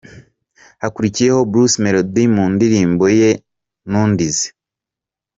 Hakurikiyeho Bruce Melody mu ndirimbo ye ’Ntundize’.